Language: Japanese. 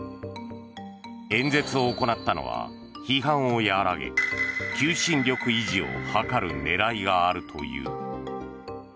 演説を行ったのは批判を和らげ求心力維持を図る狙いがあるという。